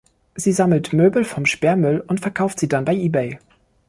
Sie sammelt Möbel vom Sperrmüll und verkauft sie dann bei Ebay.